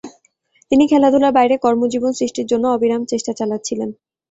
তিনি খেলাধূলার বাইরে কর্মজীবন সৃষ্টির জন্য অবিরাম চেষ্টা চালাচ্ছিলেন।